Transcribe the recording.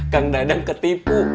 kang dadang ketipu